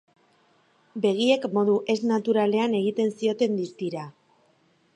Begiek modu ez naturalean egiten zioten distira.